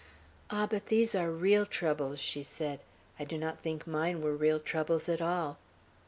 "Ah, but these are real troubles," she said. "I do not think mine were real troubles at all.